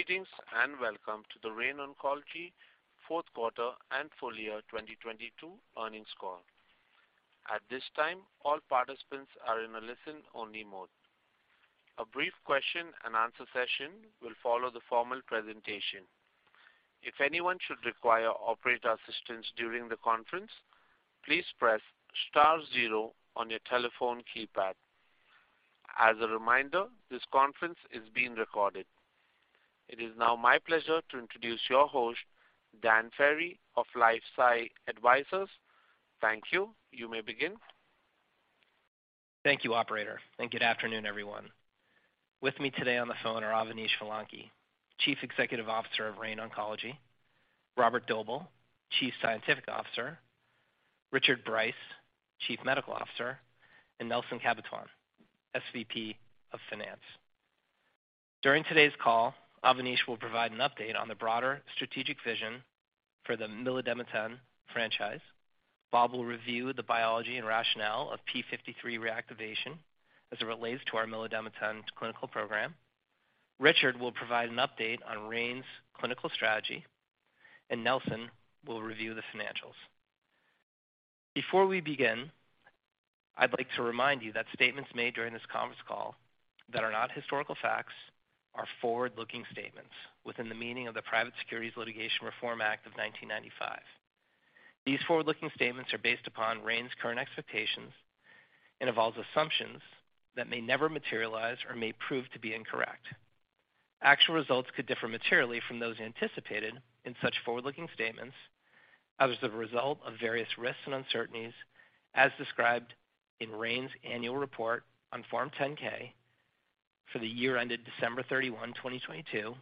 Greetings, and welcome to the Rain Oncology Fourth Quarter and Full Year 2022 Earnings Call. At this time, all participants are in a listen-only mode. A brief question-and-answer session will follow the formal presentation. If anyone should require operator assistance during the conference, please press star zero on your telephone keypad. As a reminder, this conference is being recorded. It is now my pleasure to introduce your host, Dan Ferry of LifeSci Advisors. Thank you. You may begin. Thank you, operator, and good afternoon, everyone. With me today on the phone are Avanish Vellanki, Chief Executive Officer of Rain Oncology, Robert Doebele, Chief Scientific Officer, Richard Bryce, Chief Medical Officer, and Nelson Cabatuan, SVP of Finance. During today's call, Avanish will provide an update on the broader strategic vision for the milademetan franchise. Bob will review the biology and rationale of p53 reactivation as it relates to our milademetan's clinical program. Richard will provide an update on Rain's clinical strategy, and Nelson will review the financials. Before we begin, I'd like to remind you that statements made during this conference call that are not historical facts are forward-looking statements within the meaning of the Private Securities Litigation Reform Act of 1995. These forward-looking statements are based upon Rain's current expectations and involves assumptions that may never materialize or may prove to be incorrect. Actual results could differ materially from those anticipated in such forward-looking statements as the result of various risks and uncertainties as described in Rain's Annual Report on Form 10-K for the year ended December 31st, 2022,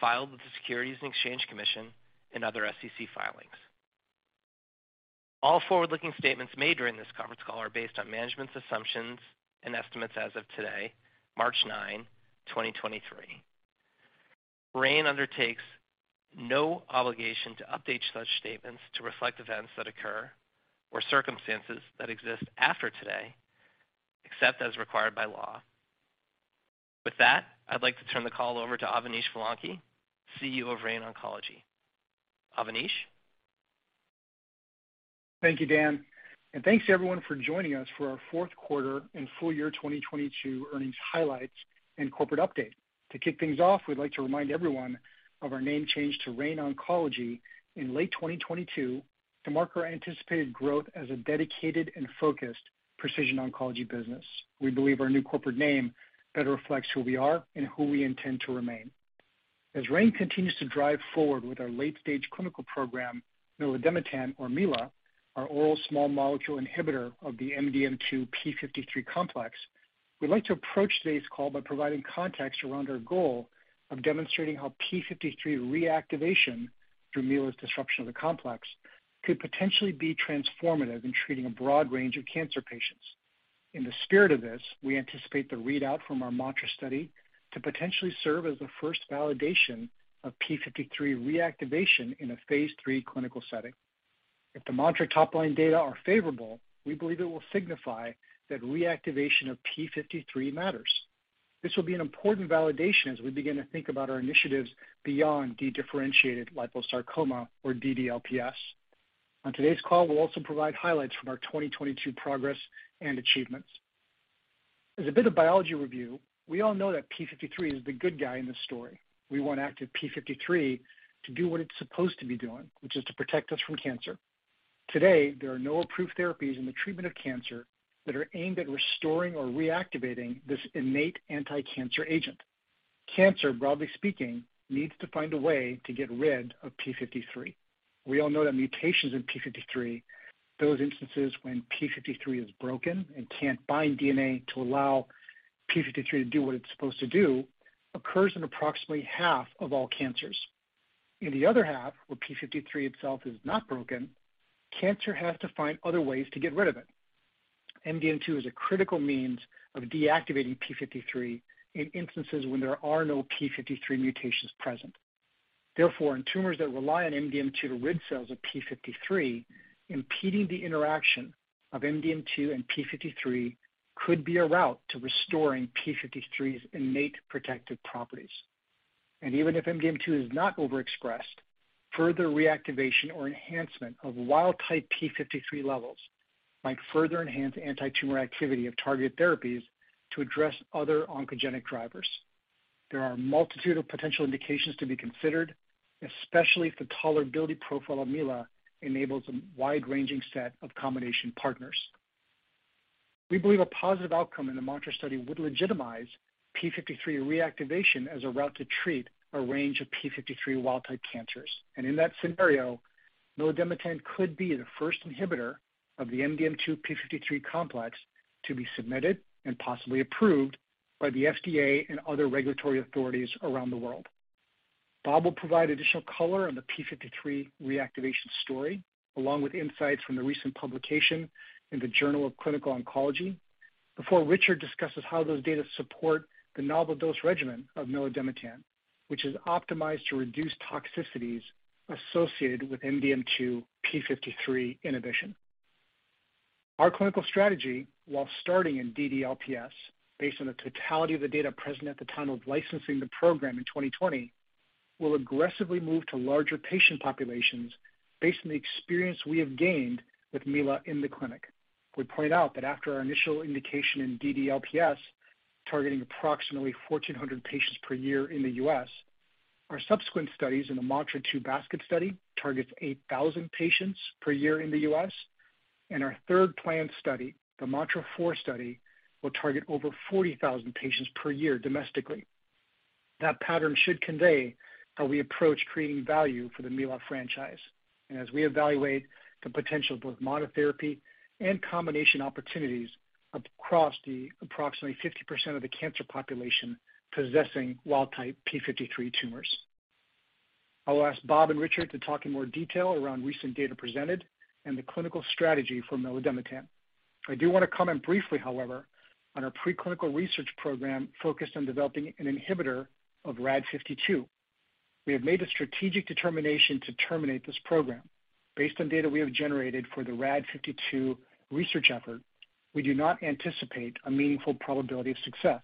filed with the Securities and Exchange Commission and other SEC filings. All forward-looking statements made during this conference call are based on management's assumptions and estimates as of today, March 9th, 2023. Rain undertakes no obligation to update such statements to reflect events that occur or circumstances that exist after today, except as required by law. With that, I'd like to turn the call over to Avanish Vellanki, CEO of Rain Oncology. Avanish? Thank you, Dan, and thanks everyone for joining us for our fourth quarter and full year 2022 earnings highlights and corporate update. To kick things off, we'd like to remind everyone of our name change to Rain Oncology in late 2022 to mark our anticipated growth as a dedicated and focused precision oncology business. We believe our new corporate name better reflects who we are and who we intend to remain. As Rain continues to drive forward with our late-stage clinical program, milademetan, or Mila, our oral small molecule inhibitor of the MDM2-p53 complex, we'd like to approach today's call by providing context around our goal of demonstrating how p53 reactivation through Mila's disruption of the complex could potentially be transformative in treating a broad range of cancer patients. In the spirit of this, we anticipate the readout from our MANTRA study to potentially serve as the first validation of p53 reactivation in a Phase III clinical setting. If the MANTRA top-line data are favorable, we believe it will signify that reactivation of p53 matters. This will be an important validation as we begin to think about our initiatives beyond dedifferentiated liposarcoma or DDLPS. On today's call, we'll also provide highlights from our 2022 progress and achievements. As a bit of biology review, we all know that p53 is the good guy in this story. We want active p53 to do what it's supposed to be doing, which is to protect us from cancer. Today, there are no approved therapies in the treatment of cancer that are aimed at restoring or reactivating this innate anticancer agent. Cancer, broadly speaking, needs to find a way to get rid of p53. We all know that mutations in p53, those instances when p53 is broken and can't bind DNA to allow p53 to do what it's supposed to do, occurs in approximately half of all cancers. In the other half, where p53 itself is not broken, cancer has to find other ways to get rid of it. MDM2 is a critical means of deactivating p53 in instances when there are no p53 mutations present. Therefore, in tumors that rely on MDM2 to rid cells of p53, impeding the interaction of MDM2 and p53 could be a route to restoring p53's innate protective properties. Even if MDM2 is not overexpressed, further reactivation or enhancement of wild-type p53 levels might further enhance antitumor activity of targeted therapies to address other oncogenic drivers. There are a multitude of potential indications to be considered, especially if the tolerability profile of Mila enables a wide-ranging set of combination partners. We believe a positive outcome in the MANTRA study would legitimize p53 reactivation as a route to treat a range of p53 wild-type cancers. In that scenario, milademetan could be the first inhibitor of the MDM2/p53 complex to be submitted and possibly approved by the FDA and other regulatory authorities around the world. Bob will provide additional color on the p53 reactivation story, along with insights from the recent publication in the Journal of Clinical Oncology, before Richard discusses how those data support the novel dose regimen of milademetan, which is optimized to reduce toxicities associated with MDM2/p53 inhibition. Our clinical strategy, while starting in DDLPS based on the totality of the data present at the time of licensing the program in 2020, will aggressively move to larger patient populations based on the experience we have gained with Mila in the clinic. We point out that after our initial indication in DDLPS, targeting approximately 1,400 patients per year in the U.S., our subsequent studies in the MANTRA-2 basket study targets 8,000 patients per year in the U.S. and our third planned study, the MANTRA-4 study, will target over 40,000 patients per year domestically. That pattern should convey how we approach creating value for the Mila franchise and as we evaluate the potential of both monotherapy and combination opportunities across the approximately 50% of the cancer population possessing wild-type p53 tumors. I'll ask Bob and Richard to talk in more detail around recent data presented and the clinical strategy for milademetan. I do wanna comment briefly, however, on our preclinical research program focused on developing an inhibitor of RAD52. We have made the strategic determination to terminate this program. Based on data we have generated for the RAD52 research effort, we do not anticipate a meaningful probability of success.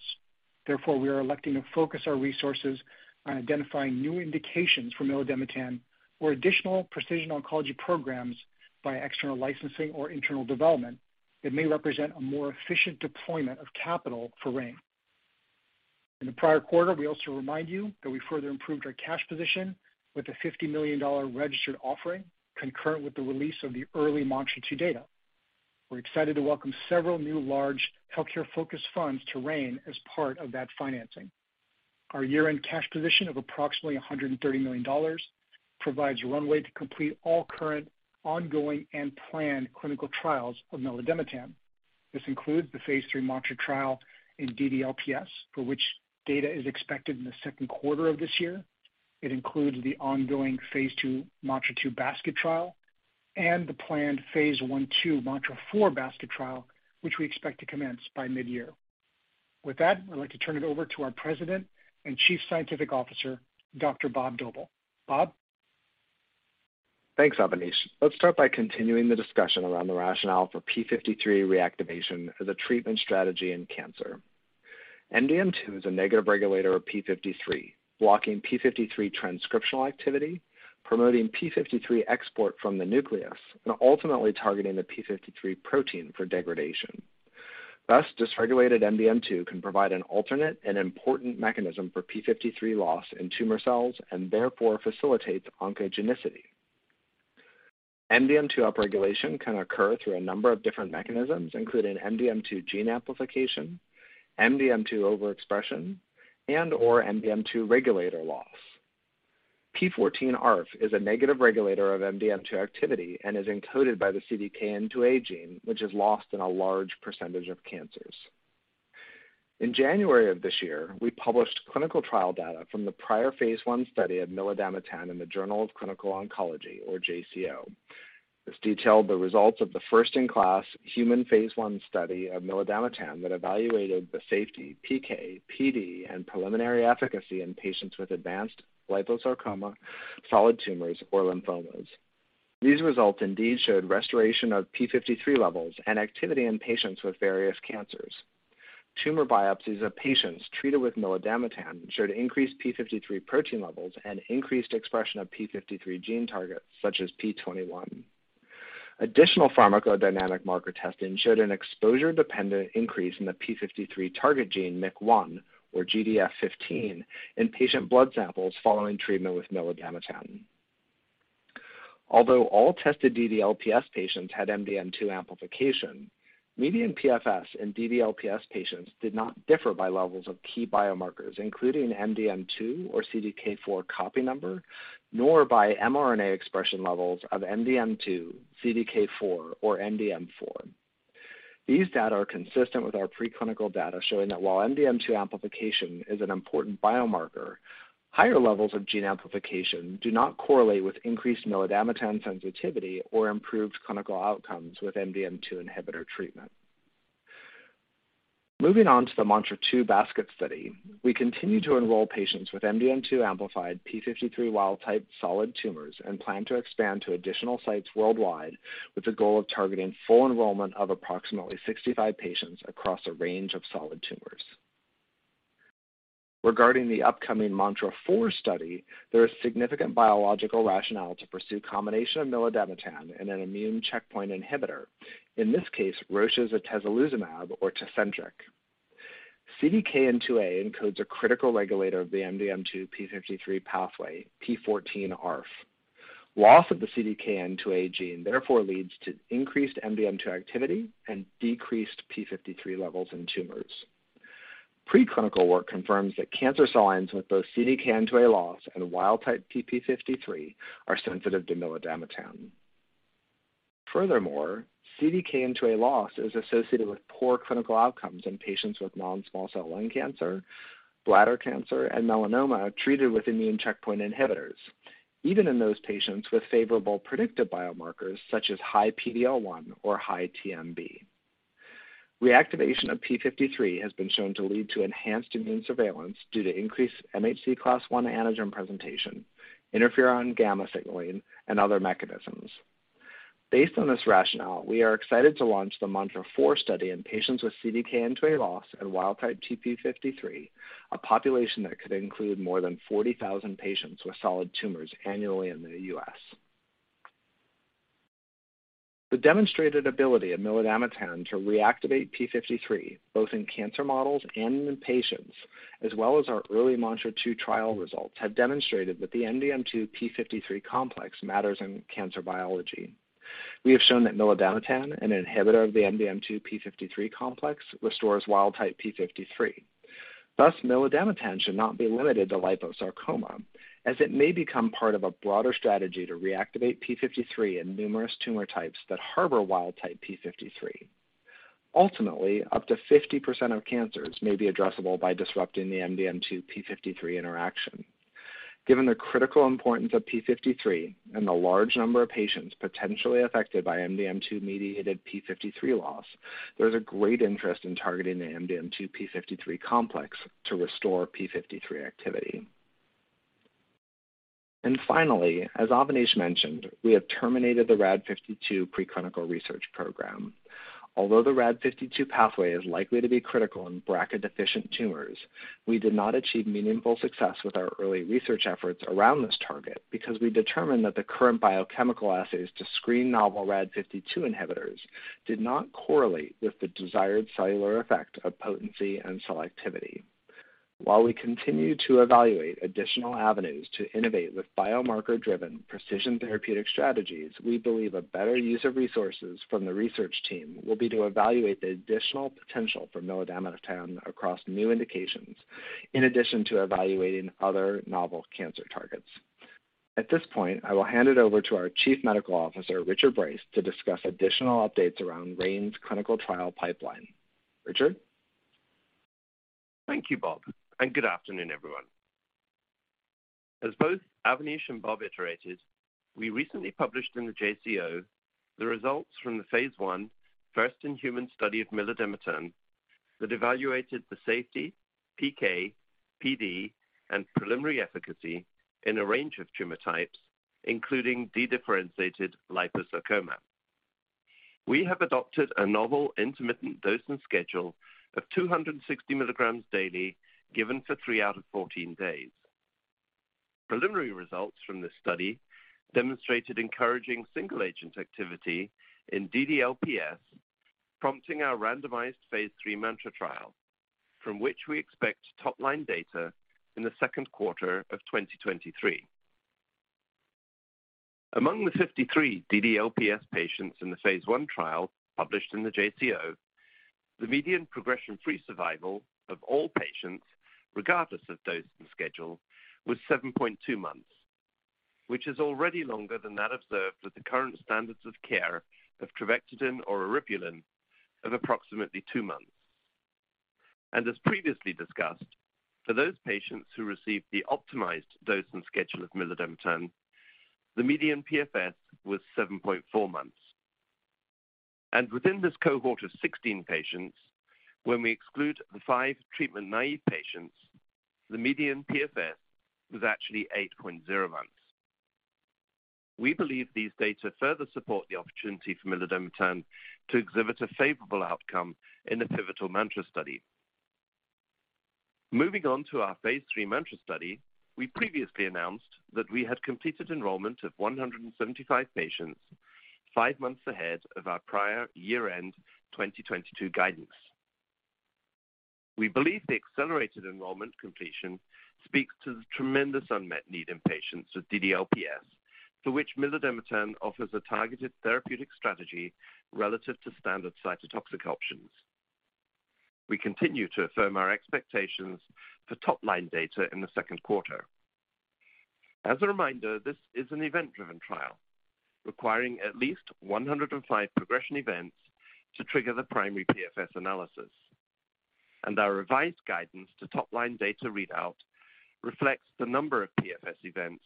Therefore, we are electing to focus our resources on identifying new indications for milademetan or additional precision oncology programs by external licensing or internal development it may represent a more efficient deployment of capital for Rain. In the prior quarter, we also remind you that we further improved our cash position with a $50 million registered offering concurrent with the release of the early MANTRA-2 data. We're excited to welcome several new large healthcare-focused funds to Rain as part of that financing. Our year-end cash position of approximately $130 million provides runway to complete all current ongoing and planned clinical trials of milademetan. This includes the Phase III MANTRA trial in DDLPS, for which data is expected in the second quarter of this year. It includes the ongoing Phase II MANTRA-2 basket trial and the planned Phase I/II MANTRA-4 basket trial, which we expect to commence by midyear. With that, I'd like to turn it over to our president and Chief Scientific Officer, Dr. Robert Doebele. Bob? Thanks, Avanish. Let's start by continuing the discussion around the rationale for p53 reactivation as a treatment strategy in cancer. MDM2 is a negative regulator of p53, blocking p53 transcriptional activity, promoting p53 export from the nucleus, and ultimately targeting the p53 protein for degradation. Dysregulated MDM2 can provide an alternate and important mechanism for p53 loss in tumor cells and therefore facilitates oncogenicity. MDM2 upregulation can occur through a number of different mechanisms, including MDM2 gene amplification, MDM2 overexpression, and/or MDM2 regulator loss. p14ARF is a negative regulator of MDM2 activity and is encoded by the CDKN2A gene, which is lost in a large percentage of cancers. In January of this year, we published clinical trial data from the prior Phase I study of milademetan in the Journal of Clinical Oncology or JCO. This detailed the results of the first-in-class human Phase I study of milademetan that evaluated the safety, PK, PD, and preliminary efficacy in patients with advanced liposarcoma, solid tumors, or lymphomas. These results indeed showed restoration of p53 levels and activity in patients with various cancers. Tumor biopsies of patients treated with milademetan showed increased p53 protein levels and increased expression of p53 gene targets such as P21. Additional pharmacodynamic marker testing showed an exposure-dependent increase in the p53 target gene MIC-1 or GDF15 in patient blood samples following treatment with milademetan. Although all tested DDLPS patients had MDM2 amplification, median PFS in DDLPS patients did not differ by levels of key biomarkers, including MDM2 or CDK4 copy number, nor by mRNA expression levels of MDM2, CDK4, or MDM4. These data are consistent with our preclinical data showing that while MDM2 amplification is an important biomarker, higher levels of gene amplification do not correlate with increased milademetan sensitivity or improved clinical outcomes with MDM2 inhibitor treatment. Moving on to the MANTRA-2 basket study, we continue to enroll patients with MDM2-amplified p53 wild-type solid tumors and plan to expand to additional sites worldwide with the goal of targeting full enrollment of approximately 65 patients across a range of solid tumors. Regarding the upcoming MANTRA-4 study, there is significant biological rationale to pursue combination of milademetan and an immune checkpoint inhibitor, in this case, Roche's atezolizumab or Tecentriq. CDKN2A encodes a critical regulator of the MDM2 p53 pathway, p14ARF. Loss of the CDKN2A gene therefore leads to increased MDM2 activity and decreased p53 levels in tumors. Preclinical work confirms that cancer cell lines with both CDKN2A loss and wild-type p53 are sensitive to milademetan. Furthermore, CDKN2A loss is associated with poor clinical outcomes in patients with non-small cell lung cancer, bladder cancer, and melanoma treated with immune checkpoint inhibitors, even in those patients with favorable predictive biomarkers such as high PD-L1 or high TMB. Reactivation of p53 has been shown to lead to enhanced immune surveillance due to increased MHC class I antigen presentation, interferon gamma signaling, and other mechanisms. Based on this rationale, we are excited to launch the MANTRA-4 study in patients with CDKN2A loss and wild-type p53, a population that could include more than 40,000 patients with solid tumors annually in the U.S. The demonstrated ability of milademetan to reactivate p53 both in cancer models and in patients, as well as our early MANTRA-2 trial results, have demonstrated that the MDM2-p53 complex matters in cancer biology. We have shown that milademetan, an inhibitor of the MDM2-p53 complex, restores wild-type p53. Thus, milademetan should not be limited to liposarcoma, as it may become part of a broader strategy to reactivate p53 in numerous tumor types that harbor wild-type p53. Ultimately, up to 50% of cancers may be addressable by disrupting the MDM2-p53 interaction. Given the critical importance of p53 and the large number of patients potentially affected by MDM2-mediated p53 loss, there is a great interest in targeting the MDM2-p53 complex to restore p53 activity. And finally, as Avanish mentioned, we have terminated the RAD52 preclinical research program. Although the RAD52 pathway is likely to be critical in BRCA deficient tumors, we did not achieve meaningful success with our early research efforts around this target because we determined that the current biochemical assays to screen novel RAD52 inhibitors did not correlate with the desired cellular effect of potency and selectivity. While we continue to evaluate additional avenues to innovate with biomarker-driven precision therapeutic strategies, we believe a better use of resources from the research team will be to evaluate the additional potential for milademetan across new indications, in addition to evaluating other novel cancer targets. At this point, I will hand it over to our Chief Medical Officer, Richard Bryce, to discuss additional updates around Rain's clinical trial pipeline. Richard? Thank you, Bob. And good afternoon, everyone. As both Avanish and Bob iterated, we recently published in the JCO the results from the Phase I first-in-human study of milademetan that evaluated the safety, PK, PD, and preliminary efficacy in a range of tumor types, including dedifferentiated liposarcoma. We have adopted a novel intermittent dosing schedule of 260 mg daily, given for three out of 14 days. Preliminary results from this study demonstrated encouraging single-agent activity in DDLPS, prompting our randomized Phase III MANTRA trial, from which we expect top-line data in the second quarter of 2023. Among the 53 DDLPS patients in the phase 1 trial published in the JCO, the median progression-free survival of all patients, regardless of dosing schedule, was 7.2 months, which is already longer than that observed with the current standards of care of Xeloda or eribulin of approximately two months. As previously discussed, for those patients who received the optimized dosing schedule of milademetan, the median PFS was 7.4 months. And within this cohort of 16 patients, when we exclude the five treatment-naive patients, the median PFS was actually 8.0 months. We believe these data further support the opportunity for milademetan to exhibit a favorable outcome in the pivotal MANTRA study. Moving on to our Phase III MANTRA study, we previously announced that we had completed enrollment of 175 patients five months ahead of our prior year-end 2022 guidance. We believe the accelerated enrollment completion speaks to the tremendous unmet need in patients with DDLPS, for which milademetan offers a targeted therapeutic strategy relative to standard cytotoxic options. We continue to affirm our expectations for top-line data in the second quarter. As a reminder, this is an event-driven trial requiring at least 105 progression events to trigger the primary PFS analysis. Our revised guidance to top-line data readout reflects the number of PFS events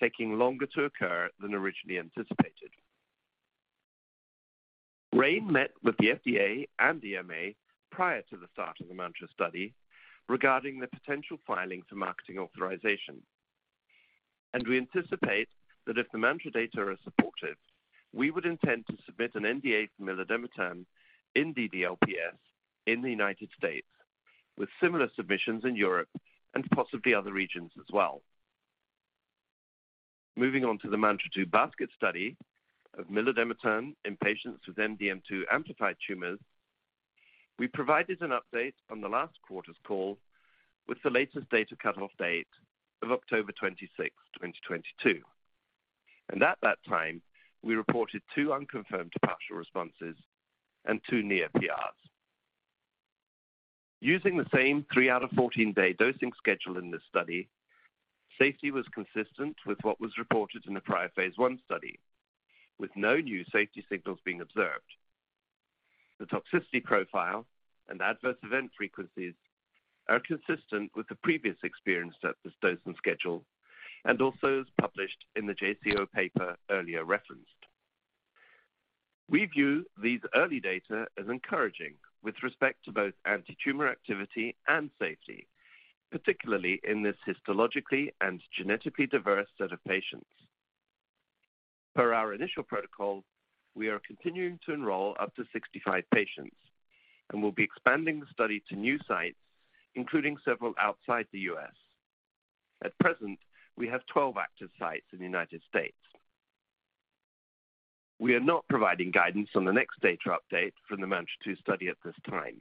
taking longer to occur than originally anticipated. Rain met with the FDA and EMA prior to the start of the MANTRA study regarding the potential filing for marketing authorization. And we anticipate that if the MANTRA data are supportive, we would intend to submit an NDA for milademetan in DDLPS in the United States, with similar submissions in Europe and possibly other regions as well. Moving on to the MANTRA-2 basket study of milademetan in patients with MDM2 amplified tumors, we provided an update on the last quarter's call with the latest data cutoff date of October 26th, 2022. At that time, we reported two unconfirmed partial responses and two near PRs. Using the same three out of 14-day dosing schedule in this study, safety was consistent with what was reported in the prior Phase I study, with no new safety signals being observed. The toxicity profile and adverse event frequencies are consistent with the previous experience of this dosing schedule and also as published in the JCO paper earlier referenced. We view these early data as encouraging with respect to both antitumor activity and safety, particularly in this histologically and genetically diverse set of patients. Per our initial protocol, we are continuing to enroll up to 65 patients, and we'll be expanding the study to new sites, including several outside the US. At present, we have 12 active sites in the United States. We are not providing guidance on the next data update from the MANTRA-2 study at this time.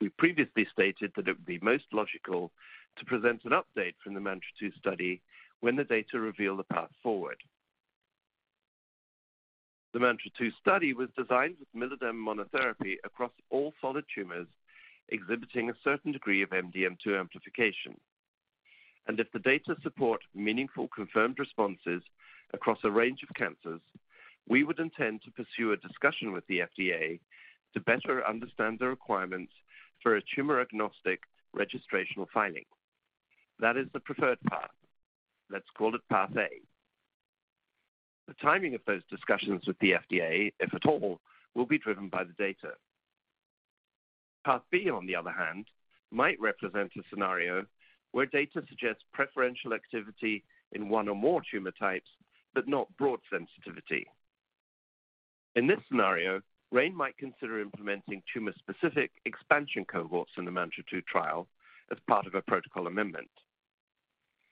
We previously stated that it would be most logical to present an update from the MANTRA-2 study when the data reveal the path forward. The MANTRA-2 study was designed with milademetan monotherapy across all solid tumors exhibiting a certain degree of MDM2 amplification. And if the data support meaningful confirmed responses across a range of cancers, we would intend to pursue a discussion with the FDA to better understand the requirements for a tumor-agnostic registrational filing. That is the preferred path. Let's call it path A. The timing of those discussions with the FDA, if at all, will be driven by the data. Path B, on the other hand, might represent a scenario where data suggests preferential activity in one or more tumor types, but not broad sensitivity. In this scenario, Rain might consider implementing tumor-specific expansion cohorts in the MANTRA-2 trial as part of a protocol amendment.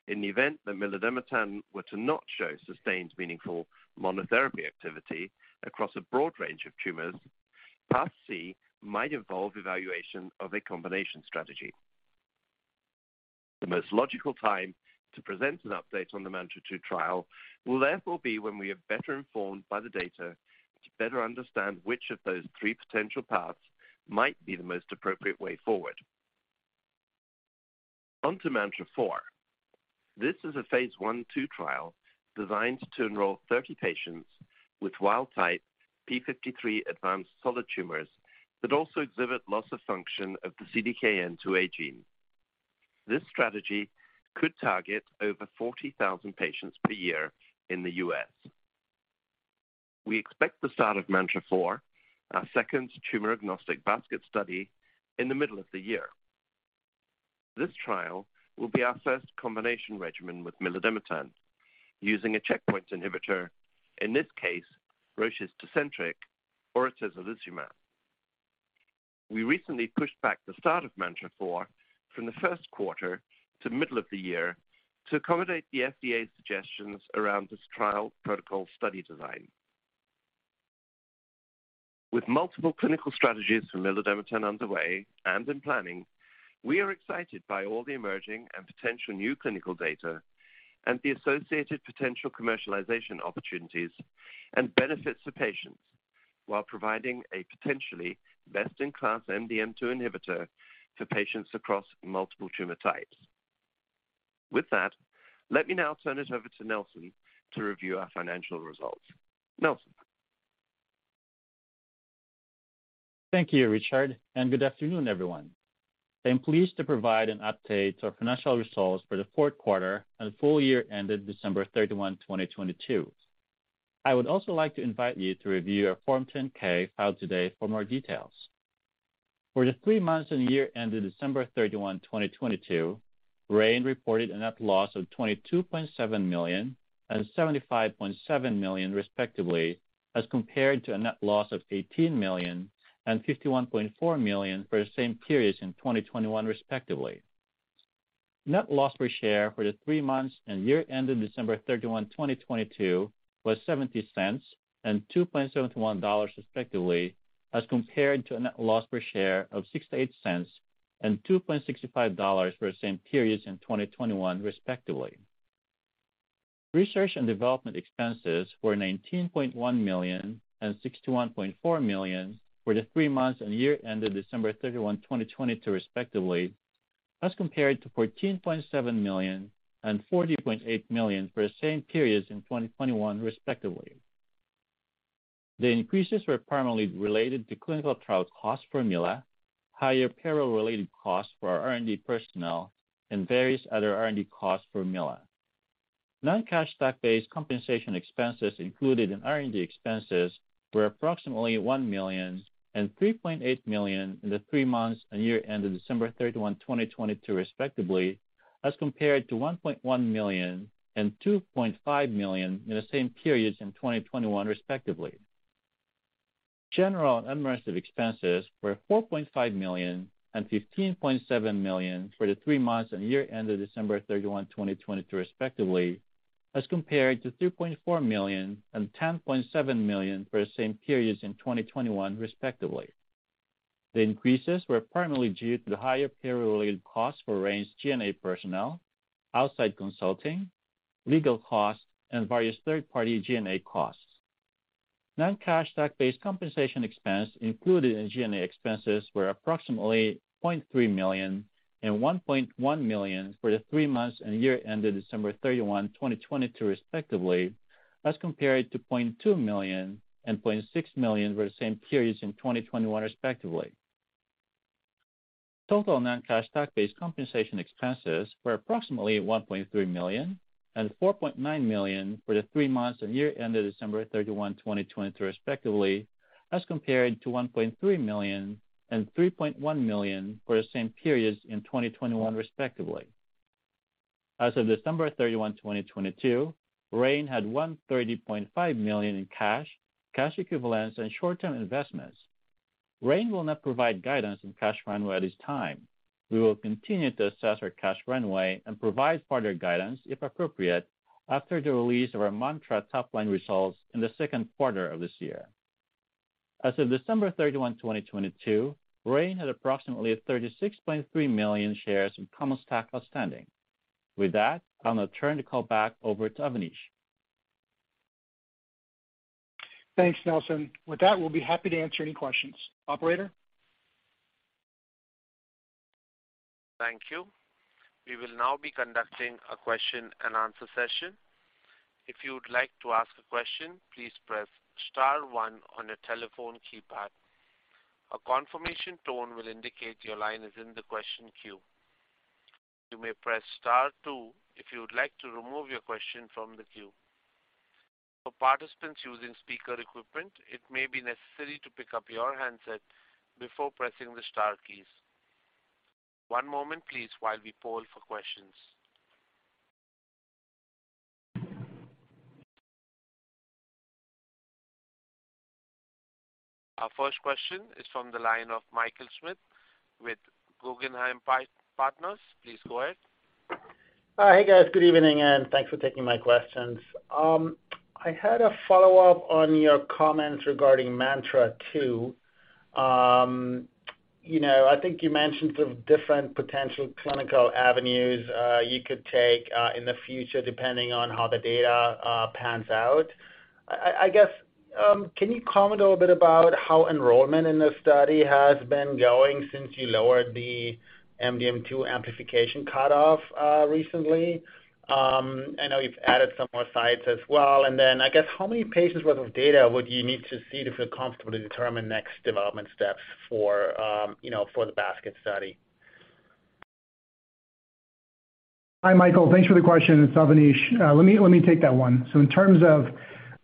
In the event that milademetan were to not show sustained meaningful monotherapy activity across a broad range of tumors, path C might involve evaluation of a combination strategy. The most logical time to present an update on the MANTRA-2 trial will therefore be when we are better informed by the data to better understand which of those three potential paths might be the most appropriate way forward. On to MANTRA-4. This is a Phase I/II trial designed to enroll 30 patients with wild-type p53 advanced solid tumors that also exhibit loss of function of the CDKN2A gene. This strategy could target over 40,000 patients per year in the U.S. We expect the start of MANTRA-4, our second tumor-agnostic basket study, in the middle of the year. This trial will be our first combination regimen with milademetan using a checkpoint inhibitor, in this case, Roche's TECENTRIQ or atezolizumab. We recently pushed back the start of MANTRA-4 from the first quarter to middle of the year to accommodate the FDA's suggestions around this trial protocol study design. With multiple clinical strategies for milademetan underway and in planning, we are excited by all the emerging and potential new clinical data and the associated potential commercialization opportunities and benefits to patients while providing a potentially best-in-class MDM2 inhibitor to patients across multiple tumor types. With that, let me now turn it over to Nelson to review our financial results. Nelson. Thank you, Richard, and good afternoon, everyone. I am pleased to provide an update to our financial results for the fourth quarter and full year ended December 31st, 2022. I would also like to invite you to review our Form 10-K filed today for more details. For the three months and year ended December 31st, 2022, Rain reported a net loss of $22.7 million and $75.7 million respectively, as compared to a net loss of $18 million and $51.4 million for the same periods in 2021 respectively. Net loss per share for the three months and year ended December 31st, 2022, was $0.70 and $2.71 respectively, as compared to a net loss per share of $0.68 and $2.65 for the same periods in 2021 respectively. Research and development expenses were $19.1 million and $61.4 million for the three months and year ended December 31st, 2022 respectively, as compared to $14.7 million and $40.8 million for the same periods in 2021 respectively. The increases were primarily related to clinical trial costs formula, higher payroll-related costs for our R&D personnel, and various other R&D costs formula. Non-cash stock-based compensation expenses included in R&D expenses were approximately $1 million and $3.8 million in the three months and year ended December 31st, 2022 respectively, as compared to $1.1 million and $2.5 million in the same periods in 2021 respectively. General and administrative expenses were $4.5 million and $15.7 million for the three months and year ended December 31st, 2022 respectively, as compared to $2.4 million and $10.7 million for the same periods in 2021 respectively. The increases were primarily due to the higher payroll-related costs for Rain's G&A personnel, outside consulting, legal costs, and various third-party G&A costs. Non-cash stock-based compensation expense included in G&A expenses were approximately $0.3 million and $1.1 million for the three months and year ended December 31st, 2022, respectively, as compared to $0.2 million and $0.6 million for the same periods in 2021, respectively. Total non-cash stock-based compensation expenses were approximately $1.3 million and $4.9 million for the three months and year ended December 31st, 2022, respectively, as compared to $1.3 million and $3.1 million for the same periods in 2021, respectively. As of December 31st, 2022, Rain had $130.5 million in cash, cash equivalents and short-term investments. Rain will not provide guidance on cash runway at this time. We will continue to assess our cash runway and provide further guidance, if appropriate, after the release of our MANTRA top line results in the second quarter of this year. As of December 31st, 2022, Rain had approximately 36.3 million shares of common stock outstanding. With that, I'll now turn the call back over to Avanish. Thanks, Nelson. With that, we'll be happy to answer any questions. Operator? Thank you. We will now be conducting a question and answer session. If you'd like to ask a question, please press star one on your telephone keypad. A confirmation tone will indicate your line is in the question queue. You may press star two if you would like to remove your question from the queue. For participants using speaker equipment, it may be necessary to pick up your handset before pressing the star keys. One moment please while we poll for questions. Our first question is from the line of Michael Schmidt with Guggenheim Securities. Please go ahead. Hi. Guys, good evening, and thanks for taking my questions. I had a follow-up on your comments regarding MANTRA-2. You know, I think you mentioned the different potential clinical avenues you could take in the future depending on how the data pans out. I guess, can you comment a little bit about how enrollment in this study has been going since you lowered the MDM2 amplification cutoff recently? I know you've added some more sites as well. I guess, how many patients worth of data would you need to see to feel comfortable to determine next development steps for, you know, for the basket study? Hi, Michael. Thanks for the question. It's Avanish. Let me take that one. In terms of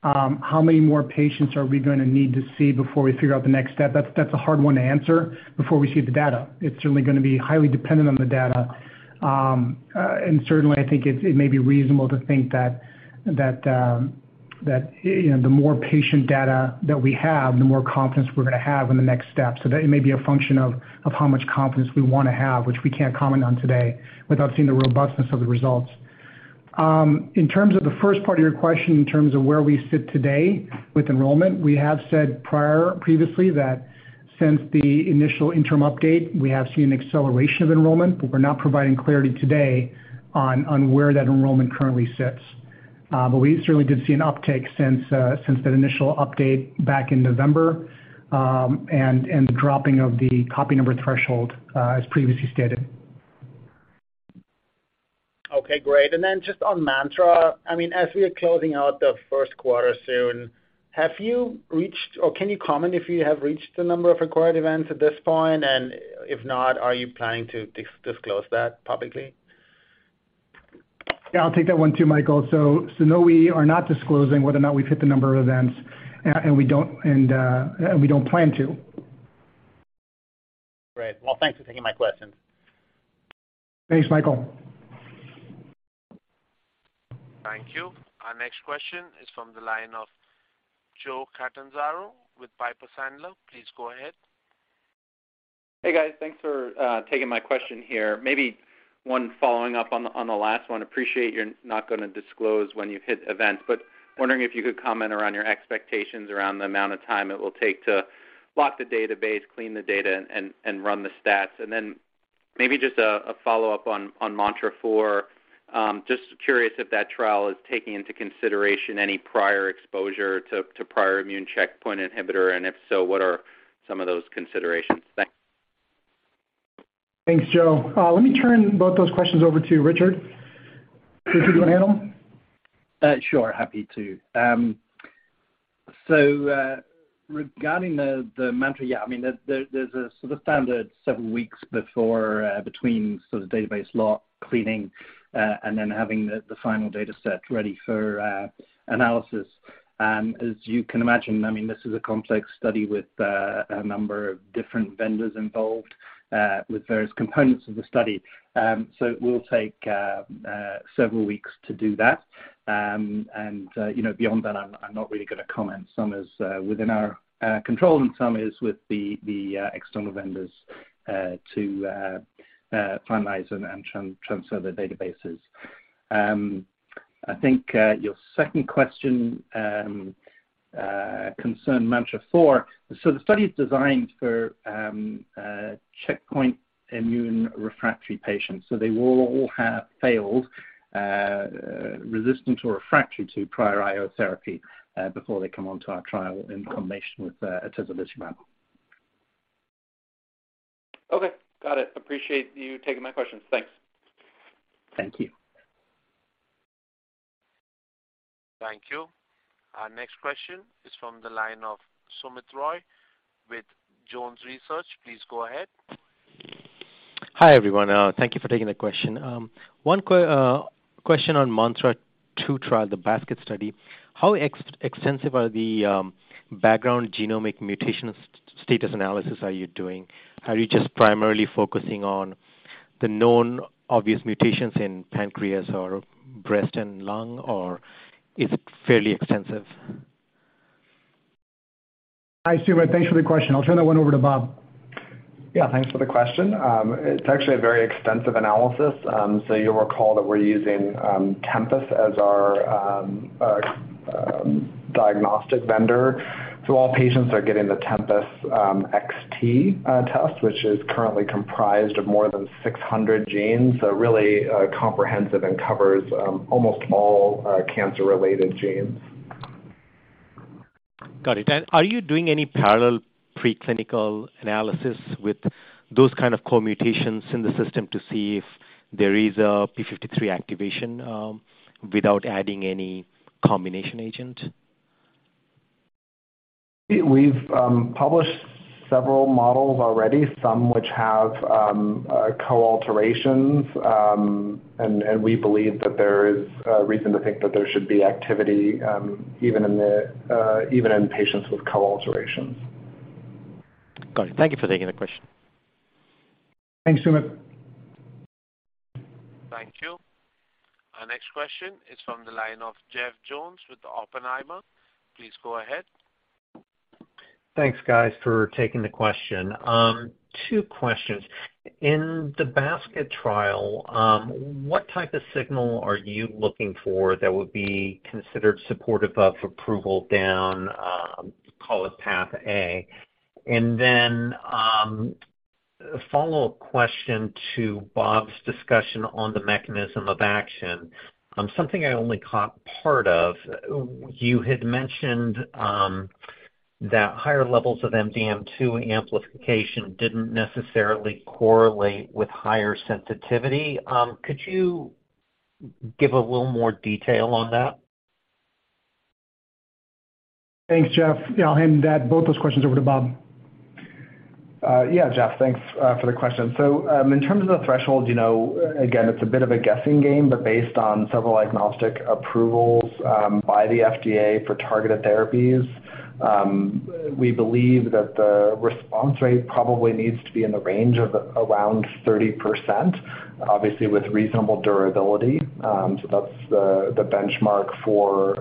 how many more patients are we gonna need to see before we figure out the next step, that's a hard one to answer before we see the data. It's certainly gonna be highly dependent on the data. And certainly, I think it may be reasonable to think that, that you know, the more patient data that we have, the more confidence we're gonna have in the next step. That it may be a function of how much confidence we wanna have, which we can't comment on today without seeing the robustness of the results. In terms of the first part of your question, in terms of where we sit today with enrollment, we have said prior previously that since the initial interim update, we have seen an acceleration of enrollment, but we're not providing clarity today on where that enrollment currently sits. We certainly did see an uptick since that initial update back in November, and and dropping of the copy number threshold, as previously stated. Okay, great. Just on MANTRA, I mean, as we are closing out the first quarter soon, have you reached or can you comment if you have reached the number of required events at this point? And if not, are you planning to disclose that publicly? Yeah, I'll take that one too, Michael. So no, we are not disclosing whether or not we've hit the number of events. And we don't plan to. Great. Well, thanks for taking my questions. Thanks, Michael. Thank you. Our next question is from the line of Joe Catanzaro with Piper Sandler. Please go ahead. Hey, guys. Thanks for taking my question here. Maybe one following up on the last one. Appreciate you're not gonna disclose when you've hit events, but wondering if you could comment around your expectations around the amount of time it will take to lock the database, clean the data and run the stats. Then maybe just a follow-up on MANTRA-4. Just curious if that trial is taking into consideration any prior exposure to prior immune checkpoint inhibitor, and if so, what are some of those considerations? Thanks. Thanks, Joe. Let me turn both those questions over to Richard. Richard, do you wanna handle them? Sure. Happy to. So regarding the MANTRA, yeah, I mean, there's a sort of standard several weeks before, between sort of database lock, cleaning, and then having the final dataset ready for analysis. As you can imagine, I mean, this is a complex study with a number of different vendors involved, with various components of the study. It will take several weeks to do that. You know, beyond that, I'm not really gonna comment. Some is within our control and some is with the external vendors to finalize and transfer the databases. I think your second question concerned MANTRA-4. The study is designed for checkpoint immune refractory patients, so they will all have failed resistant or refractory to prior IO therapy before they come onto our trial in combination with atezolizumab. Okay. Got it. Appreciate you taking my questions. Thanks. Thank you. Thank you. Our next question is from the line of Soumit Roy with Jones Research. Please go ahead. Hi, everyone. Thank you for taking the question. One question on MANTRA-2 trial, the basket study. How extensive are the background genomic mutation status analysis are you doing? Are you just primarily focusing on the known obvious mutations in pancreas or breast and lung, or is it fairly extensive? Hi, Soumit. Thanks for the question. I'll turn that one over to Bob. Yeah, thanks for the question. It's actually a very extensive analysis. You'll recall that we're using Tempus as our diagnostic vendor. All patients are getting the Tempus xT test, which is currently comprised of more than 600 genes, a really comprehensive and covers almost all cancer-related genes. Got it. Are you doing any parallel preclinical analysis with those kind of co-mutations in the system to see if there is a p53 activation without adding any combination agent? See, we've published several models already, some which have co-alterations, and we believe that there is a reason to think that there should be activity, even, even in patients with co-alterations. Got it. Thank you for taking the question. Thanks, Soumit. Thank you. Our next question is from the line of Jeff Jones with Oppenheimer. Please go ahead. Thanks, guys, for taking the question. Two questions. In the basket trial, what type of signal are you looking for that would be considered supportive of approval down, call it path A? And then a follow-up question to Bob's discussion on the mechanism of action, something I only caught part of, you had mentioned that higher levels of MDM2 amplification didn't necessarily correlate with higher sensitivity. Could you give a little more detail on that? Thanks, Jeff. I'll hand that, both those questions over to Bob. Yeah, Jeff, thanks for the question. In terms of the threshold, you know, again, it's a bit of a guessing game, but based on several agnostic approvals by the FDA for targeted therapies, we believe that the response rate probably needs to be in the range of around 30%, obviously with reasonable durability. So that's the benchmark for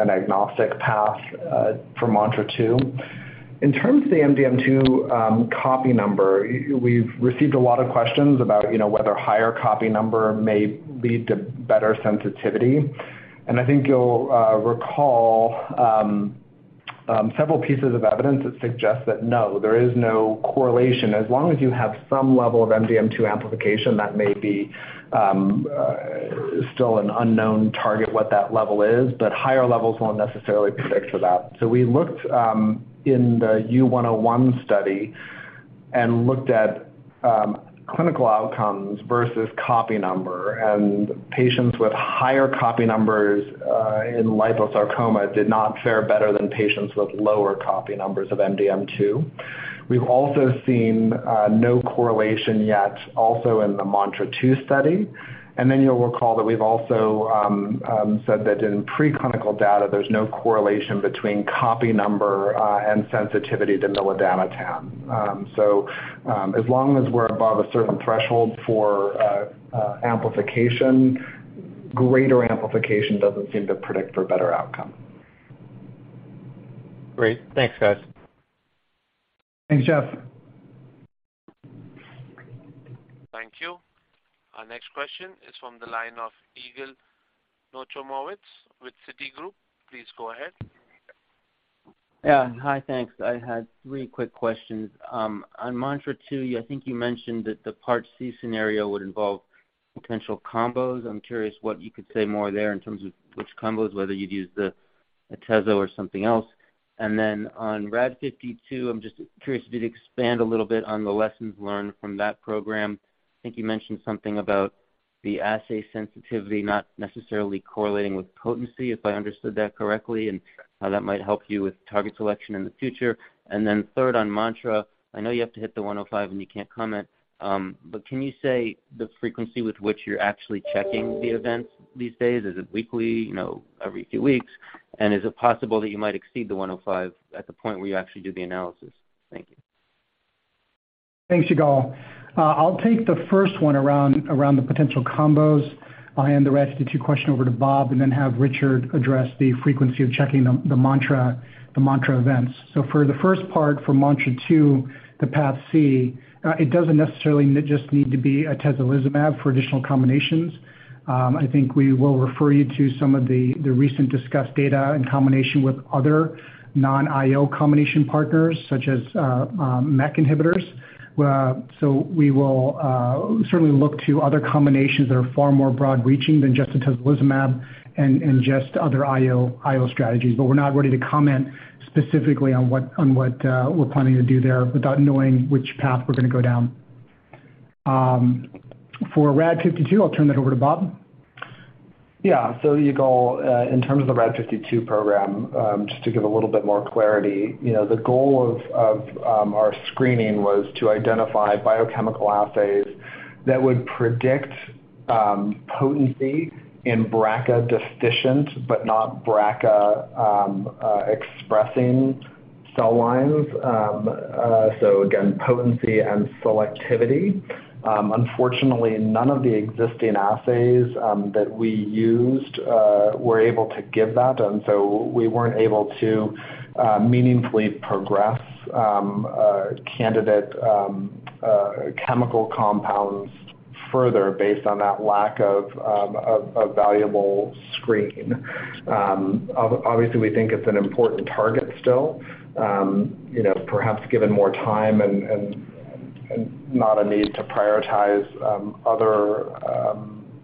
an agnostic path for MANTRA-2. In terms of the MDM2 copy number, we've received a lot of questions about, you know, whether higher copy number may lead to better sensitivity. I think you'll recall several pieces of evidence that suggest that no, there is no correlation. As long as you have some level of MDM2 amplification, that may be still an unknown target what that level is, but higher levels won't necessarily predict for that. We looked in the U101 study and looked at clinical outcomes versus copy number, and patients with higher copy numbers in liposarcoma did not fare better than patients with lower copy numbers of MDM2. We've also seen no correlation yet also in the MANTRA-2 study. And then you'll recall that we've also said that in preclinical data, there's no correlation between copy number and sensitivity to milademetan. As long as we're above a certain threshold for amplification, greater amplification doesn't seem to predict for better outcome. Great. Thanks, guys. Thanks, Jeff. Thank you. Our next question is from the line of Yigal Nochomovitz with Citigroup. Please go ahead. Yeah. Hi, thanks. I had three quick questions. On MANTRA-2, I think you mentioned that the part C scenario would involve potential combos. I'm curious what you could say more there in terms of which combos, whether you'd use the atezo or something else. And then on RAD52, I'm just curious if you'd expand a little bit on the lessons learned from that program. I think you mentioned something about the assay sensitivity not necessarily correlating with potency, if I understood that correctly, and how that might help you with target selection in the future. And then third, on MANTRA, I know you have to hit the 105 and you can't comment, but can you say the frequency with which you're actually checking the events these days? Is it weekly, you know, every few weeks? And is it possible that you might exceed the 105 at the point where you actually do the analysis? Thank you. Thanks, Yigal. I'll take the first one around the potential combos. I'll hand the rest of the two questions over to Bob and then have Richard address the frequency of checking the MANTRA, the MANTRA events. For the first part for MANTRA-2, the path C, it doesn't necessarily just need to be atezolizumab for additional combinations. I think we will refer you to some of the recent discussed data in combination with other non-IO combination partners such as MEK inhibitors. So we will certainly look to other combinations that are far more broad reaching than just atezolizumab and just other IO strategies. We're not ready to comment specifically on what we're planning to do there without knowing which path we're gonna go down. For RAD52, I'll turn that over to Bob. Yeah. Yigal, in terms of the RAD52 program, just to give a little bit more clarity, you know, the goal of our screening was to identify biochemical assays that would predict potency in BRCA deficient, but not BRCA expressing cell lines. Again, potency and selectivity. Unfortunately, none of the existing assays that we used were able to give that. So we weren't able to meaningfully progress candidate chemical compounds further based on that lack of valuable screening. Obviously, we think it's an important target still. You know, perhaps given more time and not a need to prioritize,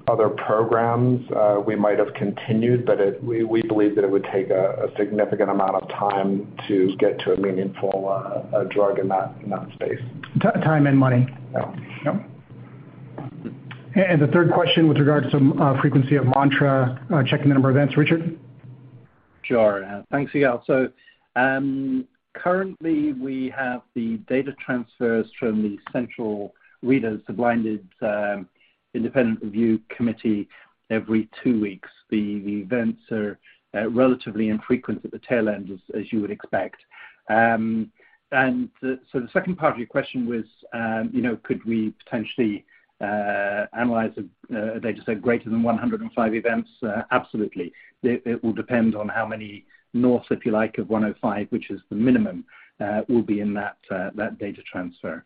other programs, we might have continued, but we believe that it would take a significant amount of time to get to a meaningful, a drug in that space. Time and money. Yeah. Yep. And the third question with regards to, frequency of MANTRA, checking the number of events, Richard. Sure. Thanks, Yigal. Currently, we have the data transfers from the central readers, the blinded, independent review committee every two weeks. The events are relatively infrequent at the tail end as you would expect. The second part of your question was, you know, could we potentially analyze a data set greater than 105 events? Absolutely. It will depend on how many north, if you like, of 105, which is the minimum, will be in that data transfer.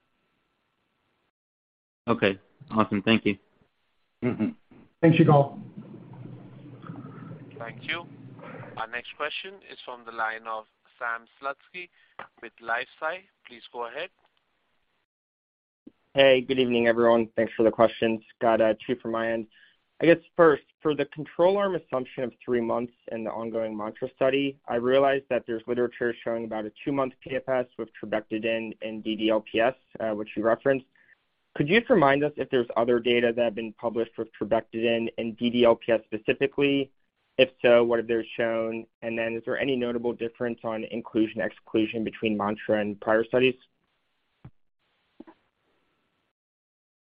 Okay. Awesome. Thank you. Mm-hmm. Thanks, Yigal. Thank you. Our next question is from the line of Sam Slutsky with LifeSci. Please go ahead. Hey, good evening, everyone. Thanks for the questions. Got two from my end. I guess first, for the control arm assumption of three months in the ongoing MANTRA study, I realize that there's literature showing about a two month PFS with trabectedin in DDLPS, which you referenced. Could you just remind us if there's other data that have been published with trabectedin in DDLPS specifically? If so, what have they shown? And is there any notable difference on inclusion, exclusion between MANTRA and prior studies?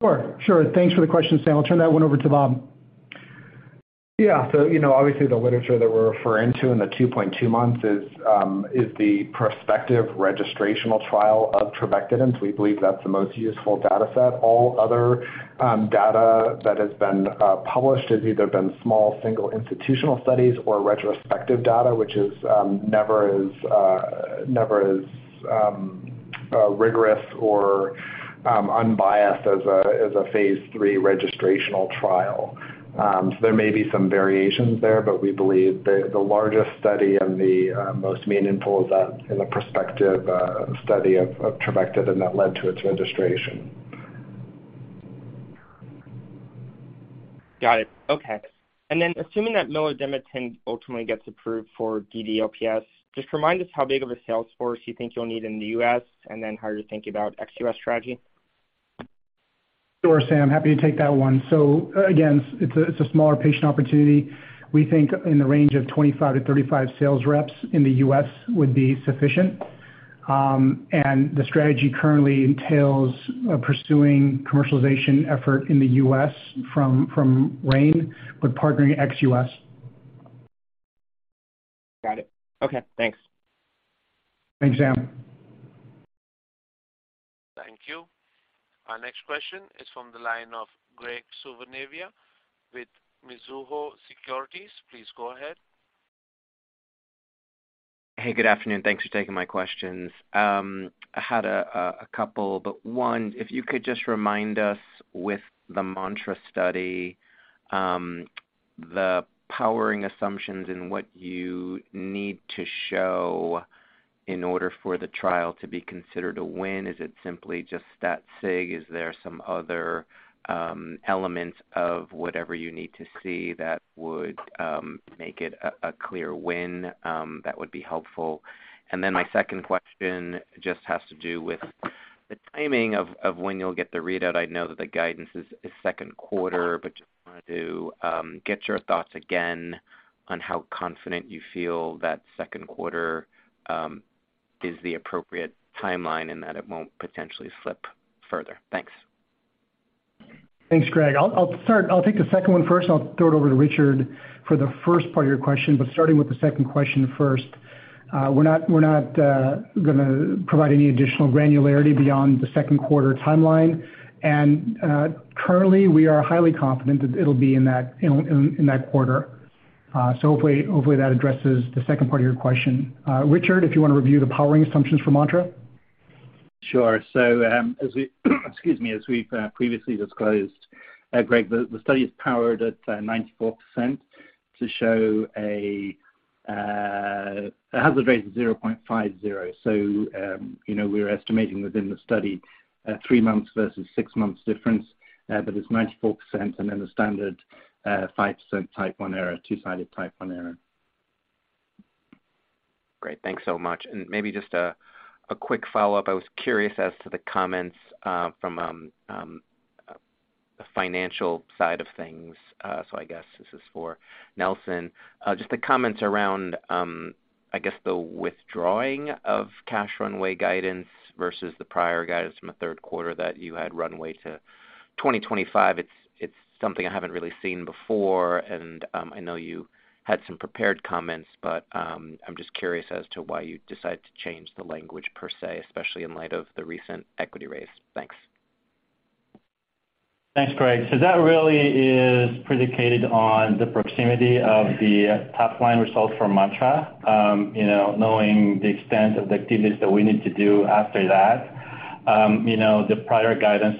Sure. Sure. Thanks for the question, Sam. I'll turn that one over to Bob. You know, obviously the literature that we're referring to in the 2.2 months is the prospective registrational trial of trabectedin. We believe that's the most useful dataset. All other data that has been published has either been small single institutional studies or retrospective data, which is never as, never as rigorous or unbiased as a Phase III registrational trial. There may be some variations there, but we believe the largest study and the most meaningful is that in the prospective study of trabectedin that led to its registration. Got it. Okay. Assuming that milademetan ultimately gets approved for DDLPS, just remind us how big of a sales force you think you'll need in the U.S., and then how you're thinking about ex-U.S. strategy. Sure, Sam. Happy to take that one. So again it's a smaller patient opportunity. We think in the range of 25-35 sales reps in the U.S. would be sufficient. The strategy currently entails pursuing commercialization effort in the U.S. from Rain, but partnering ex-U.S. Got it. Okay. Thanks. Thanks, Sam. Thank you. Our next question is from the line of Graig Suvannavejh with Mizuho Securities. Please go ahead. Hey, good afternoon. Thanks for taking my questions. I had a couple, but one, if you could just remind us with the MANTRA study, the powering assumptions and what you need to show in order for the trial to be considered a win. Is it simply just that sig? Is there some other elements of whatever you need to see that would make it a clear win? That would be helpful. And then my second question just has to do with the timing of when you'll get the readout. I know that the guidance is second quarter, but just wanted to get your thoughts again on how confident you feel that second quarter is the appropriate timeline and that it won't potentially slip further. Thanks. Thanks, Greg. I'll start. I'll take the second one first, and I'll throw it over to Richard for the first part of your question. But starting with the second question first, we're not gonna provide any additional granularity beyond the second quarter timeline. Currently, we are highly confident that it'll be in that quarter. Hopefully, that addresses the second part of your question. Richard, if you wanna review the powering assumptions for MANTRA. Sure. As we've previously disclosed, Graig Suvannavejh, the study is powered at 94% to show a hazard rate of 0.50. You know, we're estimating within the study, three months versus six months difference, but it's 94% and then the standard 5% Type 1 error, two-sided Type 1 error. Great. Thanks so much. Maybe just a quick follow-up. I was curious as to the comments from the financial side of things. So I guess this is for Nelson. Just the comments around I guess, the withdrawing of cash runway guidance versus the prior guidance from the third quarter that you had runway to 2025. It's something I haven't really seen before, and I mean, I know you had some prepared comments, but I'm just curious as to why you decided to change the language per se, especially in light of the recent equity raise. Thanks. Thanks, Graig. That really is predicated on the proximity of the top line results from MANTRA. You know, knowing the extent of the activities that we need to do after that, you know, the prior guidance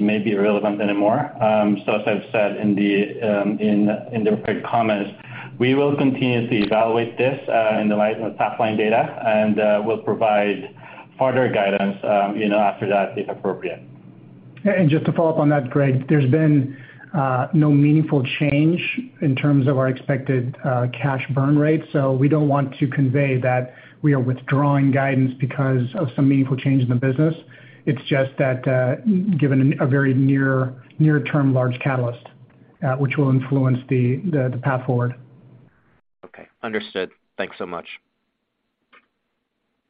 may be irrelevant anymore. As I've said in the, in the prepared comments, we will continue to evaluate this in the light of the top-line data, and we'll provide further guidance, you know, after that, if appropriate. And just to follow up on that, Graig, there's been no meaningful change in terms of our expected cash burn rate. We don't want to convey that we are withdrawing guidance because of some meaningful change in the business. It's just that, given a very near, near-term large catalyst, which will influence the path forward. Okay. Understood. Thanks so much.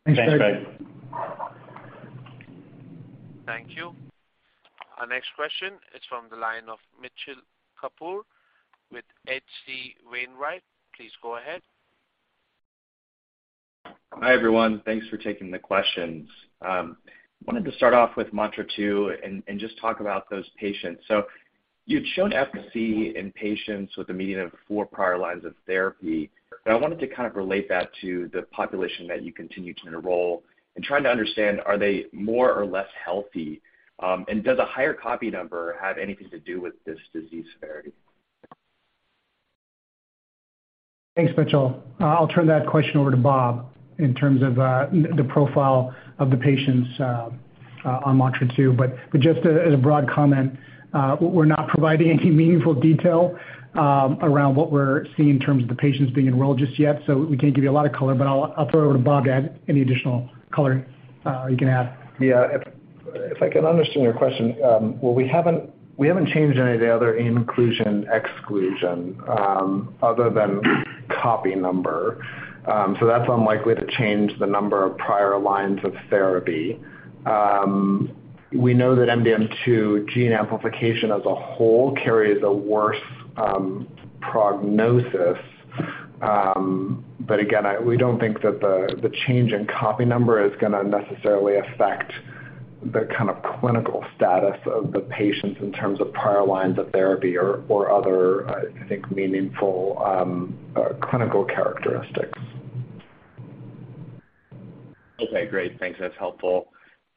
Thanks, Graig. Thanks, Graig. Thank you. Our next question is from the line of Mitchell Kapoor with H.C. Wainwright. Please go ahead. Hi, everyone. Thanks for taking the questions. Wanted to start off with MANTRA-2 and just talk about those patients. You'd shown efficacy in patients with a median of four prior lines of therapy, but I wanted to kind of relate that to the population that you continue to enroll and trying to understand, are they more or less healthy? And does a higher copy number have anything to do with this disease severity? Thanks, Mitchell. I'll turn that question over to Bob in terms of the profile of the patients on MANTRA-2. But just as a broad comment, we're not providing any meaningful detail around what we're seeing in terms of the patients being enrolled just yet, so we can't give you a lot of color, but I'll throw it over to Bob to add any additional color you can add. Yeah. If, if I can understand your question, well, we haven't, we haven't changed any of the other inclusion/exclusion, other than copy number. So hat's unlikely to change the number of prior lines of therapy. We know that MDM2 gene amplification as a whole carries a worse prognosis. But again, I we don't think that the change in copy number is gonna necessarily affect the kind of clinical status of the patients in terms of prior lines of therapy or other, I think meaningful clinical characteristics. Okay, great. Thanks. That's helpful.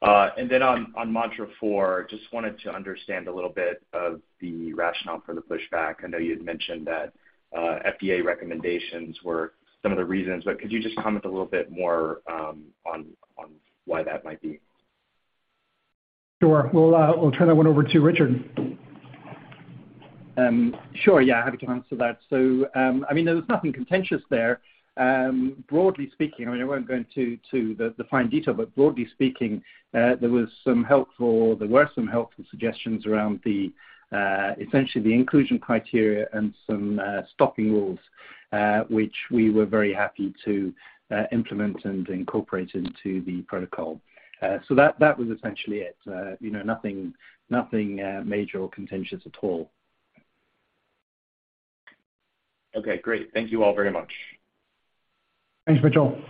And then on MANTRA-4, just wanted to understand a little bit of the rationale for the pushback. I know you had mentioned that FDA recommendations were some of the reasons, could you just comment a little bit more on on why that might be? Sure. We'll turn that one over to Richard. Sure. Yeah, happy to answer that. I mean, there was nothing contentious there. Broadly speaking, I mean, I won't go into the fine detail, but broadly speaking, there were some helpful, there were some helpful suggestions around the essentially the inclusion criteria and some stopping rules, which we were very happy to implement and incorporate into the protocol. That was essentially it. You know nothing, nothing major or contentious at all. Okay, great. Thank you all very much. Thanks, Mitchell.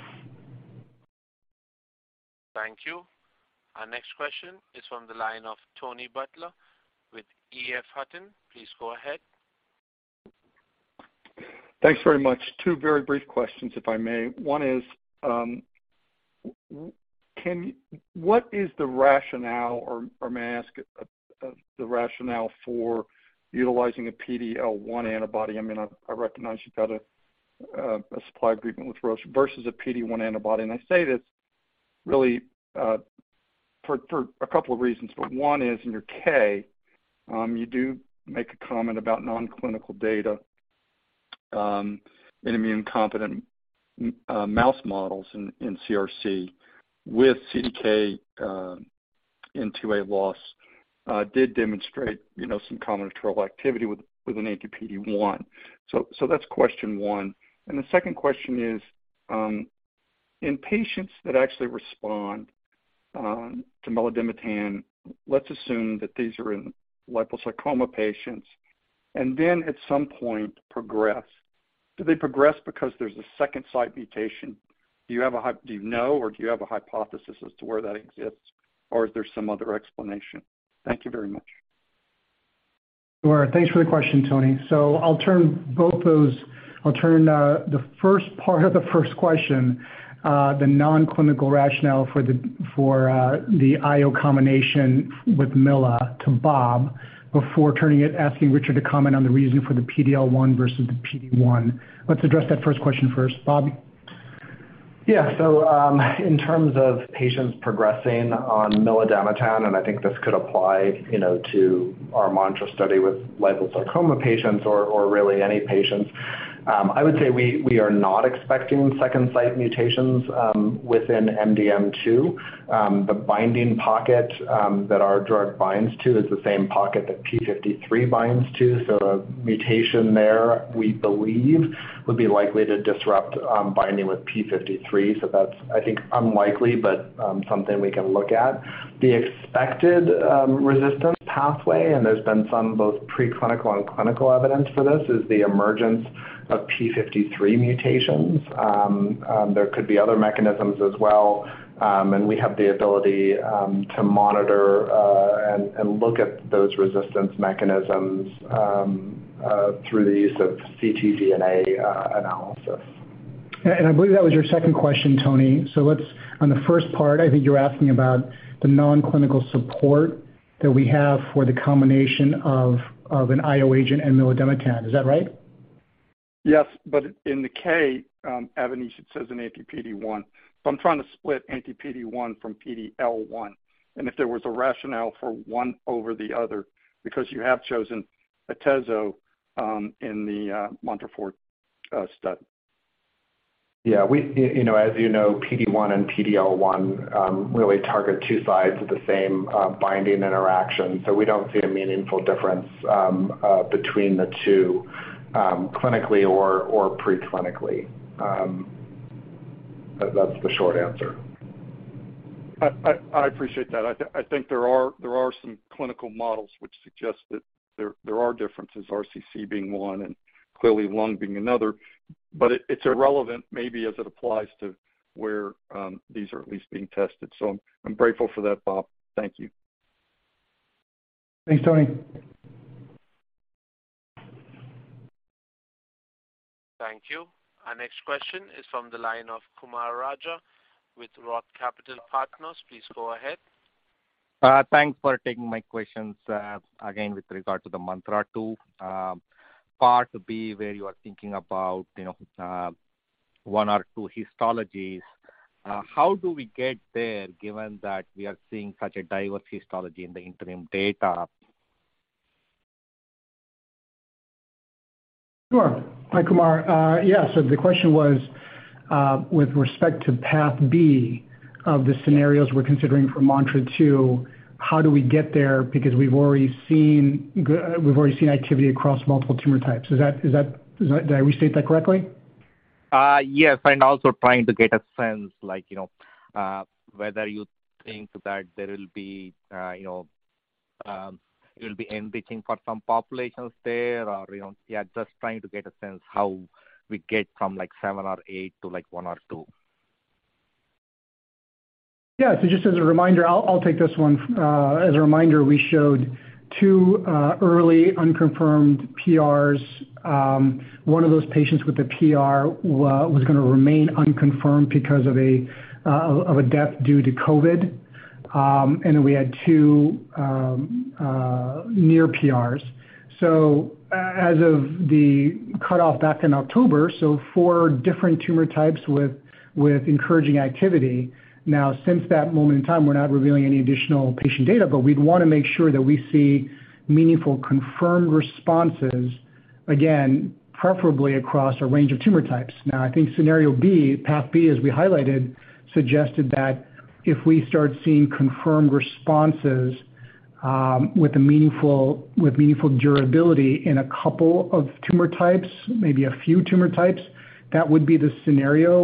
Thank you. Our next question is from the line of Tony Butler with EF Hutton. Please go ahead. Thanks very much. Two very brief questions, if I may. One is what is the rationale, or may I ask the rationale for utilizing a PD-L1 antibody? I mean, I recognize you've got a supply agreement with Roche versus a PD-1 antibody. I say this really for a couple of reasons, but one is in your K, you do make a comment about non-clinical data in immune competent mouse models in CRC with CDKN2A loss did demonstrate, you know, some combinatorial activity with an anti-PD-1. So that's question one. And the second question is in patients that actually respond to milademetan, let's assume that these are in liposarcoma patients and then at some point progress. Do they progress because there's a second site mutation? Do you know or do you have a hypothesis as to where that exists, or is there some other explanation? Thank you very much. Sure. Thanks for the question, Tony. So I'll turn both those, I'll turn the first part of the first question, the non-clinical rationale for the IO combination with Mila to Bob before turning it, asking Richard to comment on the reason for the PD-L1 versus the PD-1. Let's address that first question first. Bob? Yeah. In terms of patients progressing on milademetan, and I think this could apply, you know, to our MANTRA study with liposarcoma patients or really any patients, I would say we are not expecting second site mutations within MDM2. The binding pocket that our drug binds to is the same pocket that p53 binds to. The mutation there, we believe, would be likely to disrupt binding with p53. That's, I think, unlikely, but something we can look at. The expected resistance pathway, and there's been some both preclinical and clinical evidence for this, is the emergence of p53 mutations. There could be other mechanisms as well, and we have the ability to monitor and look at those resistance mechanisms through the use of ctDNA analysis. And I believe that was your second question, Tony. Let's On the first part, I think you're asking about the non-clinical support that we have for the combination of an IO agent and milademetan. Is that right? In the K, Avanish, it says an anti-PD-1. I'm trying to split anti-PD-1 from PD-L1, and if there was a rationale for one over the other, because you have chosen atezo in the MANTRA-4 study. Yeah. We, you know, as you know, PD-1 and PD-L1, really target two sides of the same binding interaction. We don't see a meaningful difference between the two clinically or preclinically. That's the short answer. I appreciate that. I think there are some clinical models which suggest that there are differences, RCC being one and clearly lung being another, but it's irrelevant maybe as it applies to where these are at least being tested. So I'm grateful for that, Bob. Thank you. Thanks, Tony. Thank you. Our next question is from the line of Kumar Raja with Roth Capital Partners. Please go ahead. Thanks for taking my questions. Again, with regard to the MANTRA-2, part B where you are thinking about, you know, one or two histologies, how do we get there given that we are seeing such a diverse histology in the interim data? Sure. Hi, Kumar. Yeah. So the question was with respect to path B of the scenarios we're considering for MANTRA-2, how do we get there? Because we've already seen We've already seen activity across multiple tumor types. So is that, is that... Did I restate that correctly? Yes, and also trying to get a sense like, you know, whether you think that there will be, you know, it'll be embiking for some populations there or, you know? Yeah, just trying to get a sense how we get from like seven or eight to like one or two. Yeah. Just as a reminder, I'll take this one. As a reminder, we showed two early unconfirmed PRs. One of those patients with the PR was gonna remain unconfirmed because of a death due to COVID. And we had two near PRs. As of the cutoff back in October, so four different tumor types with encouraging activity. Now since that moment in time, we're not revealing any additional patient data, but we'd wanna make sure that we see meaningful confirmed responses, again, preferably across a range of tumor types. I think scenario B, path B, as we highlighted, suggested that if we start seeing confirmed responses with meaningful durability in a couple of tumor types, maybe a few tumor types, that would be the scenario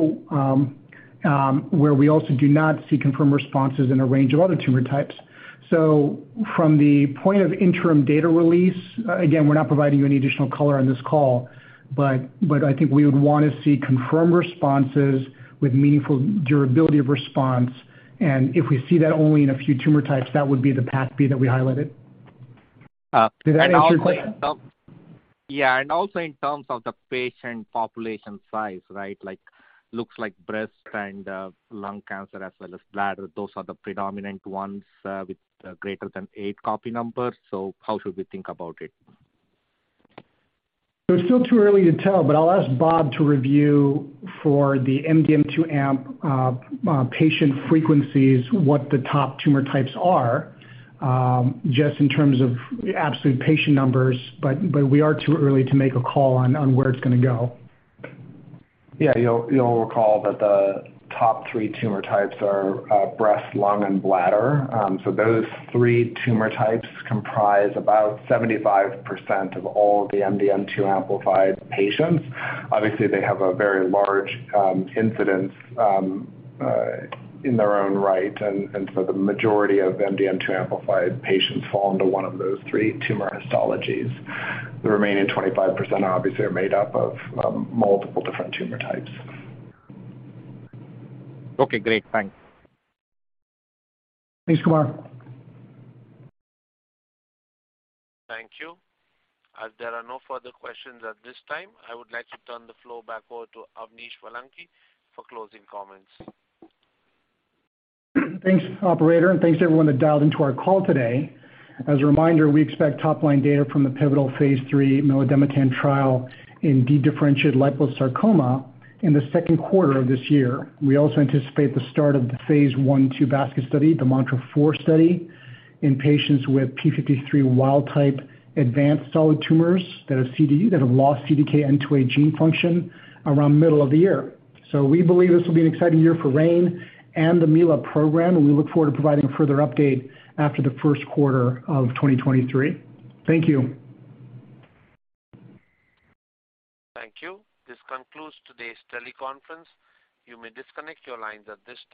where we also do not see confirmed responses in a range of other tumor types. So from the point of interim data release, again, we're not providing you any additional color on this call, but but I think we would wanna see confirmed responses with meaningful durability of response, and if we see that only in a few tumor types, that would be the path B that we highlighted. also- Did that answer your question? Yeah. And also in terms of the patient population size, right? Like, looks like breast and lung cancer as well as bladder, those are the predominant ones with greater than eight copy numbers. So how should we think about it? It's still too early to tell, but I'll ask Bob to review for the MDM2 amp, patient frequencies, what the top tumor types are, just in terms of absolute patient numbers, but we are too early to make a call on where it's gonna go. Yeah. You'll recall that the top three tumor types are breast, lung, and bladder. Those three tumor types comprise about 75% of all the MDM2 amplified patients. Obviously, they have a very large incidence in their own right, and so the majority of MDM2 amplified patients fall into one of those three tumor histologies. The remaining 25% obviously are made up of multiple different tumor types. Okay, great. Thanks. Thanks, Kumar. Thank you. As there are no further questions at this time, I would like to turn the floor back over to Avanish Vellanki for closing comments. Thanks, operator, thanks to everyone that dialed into our call today. As a reminder, we expect top line data from the pivotal Phase III milademetan trial in dedifferentiated liposarcoma in the second quarter of this year. We also anticipate the start of the Phase I/II basket study, the MANTRA-4 study, in patients with p53 wild-type advanced solid tumors that have lost CDKN2A gene function around middle of the year. We believe this will be an exciting year for Rain and the Mila program. We look forward to providing a further update after the first quarter of 2023. Thank you. Thank you. This concludes today's teleconference. You may disconnect your lines at this time.